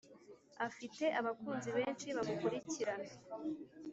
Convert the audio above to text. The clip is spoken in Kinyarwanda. Afite abakunzi benshi bamukurikirana